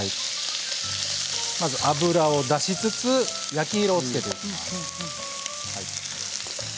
まず油を出しつつ焼き色をつけていきます。